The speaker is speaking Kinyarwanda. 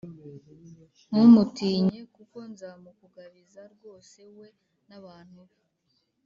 ntumutinye kuko nzamukugabiza rwose we n abantu be